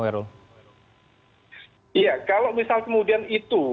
iya kalau misal kemudian itu